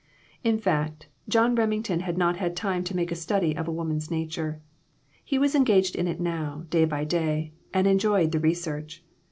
In fact, John Remington had not had time to make a study of a woman's nature. He was engaged in it now, day by day, and enjoyed the research.